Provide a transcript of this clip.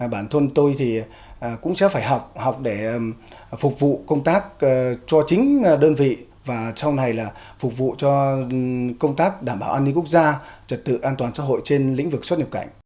bản thân tôi thì cũng sẽ phải học học để phục vụ công tác cho chính đơn vị và sau này là phục vụ cho công tác đảm bảo an ninh quốc gia trật tự an toàn xã hội trên lĩnh vực xuất nhập cảnh